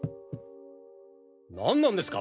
何なんですか？